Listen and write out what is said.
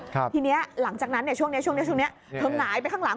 ทีนี้หลังจากนั้นช่วงนี้เธอหงายไปข้างหลัง